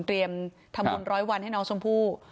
ทำบุญร้อยวันให้น้องชมพู่